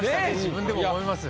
自分でも思います。